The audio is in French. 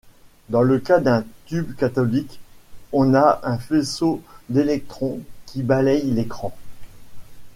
Dans le cas d’un tube cathodique, on a un faisceau d’électrons qui balaie l’écran.